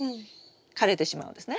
枯れてしまうんですね。